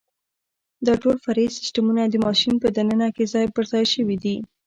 دا ټول فرعي سیسټمونه د ماشین په دننه کې ځای پرځای شوي دي.